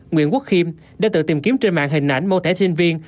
nguyễn quốc khiêm đã tự tìm kiếm trên mạng hình ảnh mô thẻ sinh viên